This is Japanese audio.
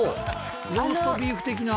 ローストビーフ的な。